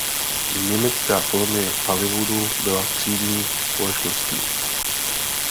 Německá kolonie v Hollywoodu byla třídní společností.